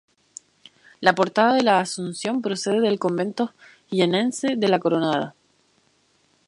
La portada de la Asunción procede del convento jiennense de La Coronada.